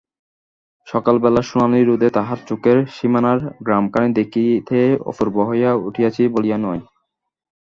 সকালবেলার সোনালি রোদে তাহার চোখের সীমানার গ্রামখানি দেখিতে অপূর্ব হইয়া উঠিয়াছে বলিয়া নয়।